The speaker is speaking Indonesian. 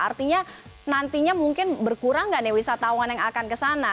artinya nantinya mungkin berkurang nggak nih wisatawan yang akan kesana